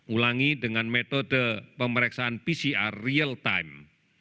ulangi dengan metode pemeriksaan pcr real time